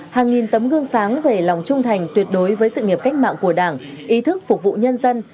hàng nghìn tấm gương sáng về lòng trung thành tuyệt đối với sự nghiệp cách mạng của đảng ý thức phục vụ nhân dân